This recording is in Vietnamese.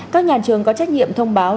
các nhà trường có trách nhiệm thông báo